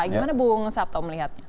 gimana bung sabtoh melihatnya